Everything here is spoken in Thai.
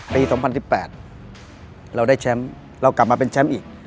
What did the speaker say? ปี๒๐๑๘เราได้แชมป์เรากลับมาเป็นแชมป์อีก